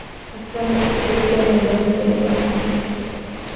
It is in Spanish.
Actualmente reside en el área de Vancouver.